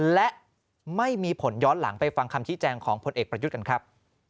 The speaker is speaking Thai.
และไม่มีผลย้อนหลังไปฟังคำชี้แจงของพลเอกประยุทธ์กันครับ